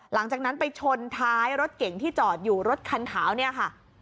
หลังจากนั้นไปชนท้ายรถเก่งที่จอดอยู่รถคันขาวเนี่ยค่ะ